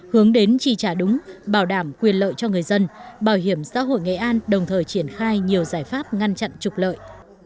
hướng đến chi trả đúng bảo đảm quyền lợi cho người dân bảo hiểm xã hội nghệ an đồng thời triển khai nhiều giải pháp ngăn chặn trục lợi